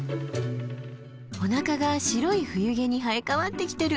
おなかが白い冬毛に生え変わってきてる。